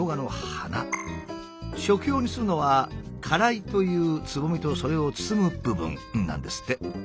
食用にするのは「花蕾」というつぼみとそれを包む部分なんですって。